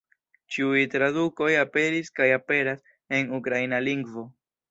Ĉiuj tradukoj aperis kaj aperas en ukraina lingvo.